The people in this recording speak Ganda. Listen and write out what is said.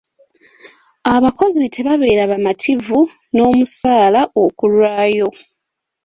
Abakozi tebabeera bamativu n'omusaaala okulwayo.